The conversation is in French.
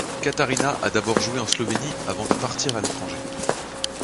Katarina a d'abord joué en Slovénie avant de partir à l'étranger.